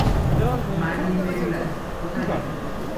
মানিমেগলাই, কোথায় গেলি?